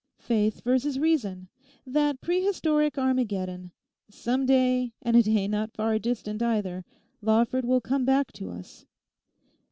Faith versus Reason—that prehistoric Armageddon. Some day, and a day not far distant either, Lawford will come back to us.